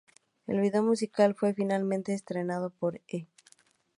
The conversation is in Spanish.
El vídeo musical fue finalmente estrenado por E!